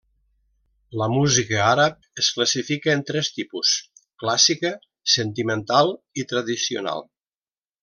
La música àrab es classifica en tres tipus: clàssica, sentimental i tradicional.